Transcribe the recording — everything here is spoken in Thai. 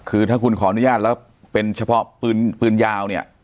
คือถ้าคุณขออนุญาตแล้วเป็นเฉพาะปืนยาวเนี่ย